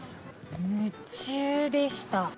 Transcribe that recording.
夢中でした。